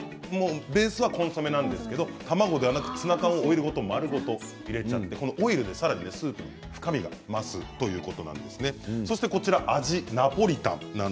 ベースはコンソメなんですけど卵ではなくてツナ缶をオイルごと入れてオイルでさらに深みが増すということです。